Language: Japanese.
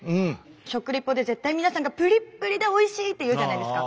食レポで絶対皆さんが「ぷりっぷりでおいしい」って言うじゃないですか。